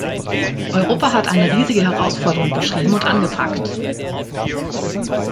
Europa hat eine riesige Herausforderung beschrieben und angepackt.